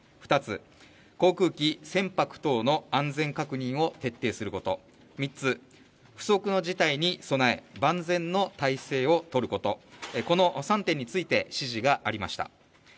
２つ、航空機・船舶等の安全を確保すること、３つ、不測の事態に備え、万全の態勢を取ること、この３点について指示がありました